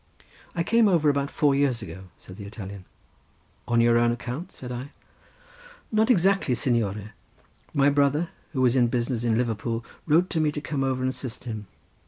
"I came over about four years ago," said the Italian. "On your own account?" said I. "Not exactly, signore; my brother, who was in business in Liverpool, wrote to me to come over and assist him.